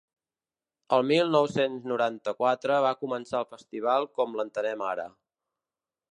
El mil nou-cents noranta-quatre va començar el festival com l’entenem ara.